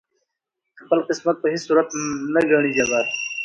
خپل قسمت په هیڅ صورت نه ګڼي جبر